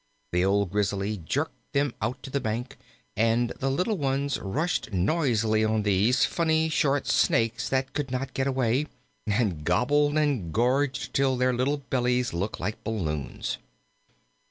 The old Grizzly jerked them out to the bank, and the little ones rushed noisily on these funny, short snakes that could not get away, and gobbled and gorged till their little bellies looked like balloons.